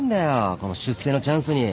この出世のチャンスに。